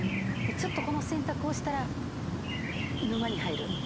ちょっとこの選択をしたら沼に入る。